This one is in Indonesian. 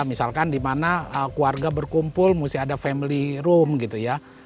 misalkan di mana keluarga berkumpul mesti ada family room gitu ya